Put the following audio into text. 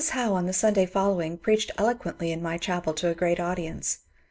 Howe on the Sunday following preached eloquently in my chapel to a great audience.